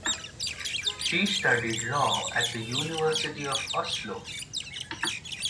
She studied Law at the University of Oslo.